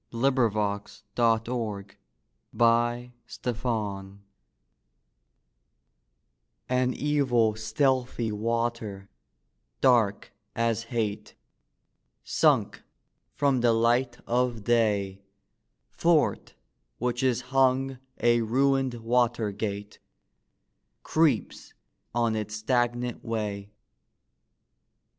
Sing, Ho! THE WOOD WATER An evil, stealthy water, dark as hate, Sunk from the light of day, 'Thwart which is hung a ruined water gate, Creeps on its stagnant way.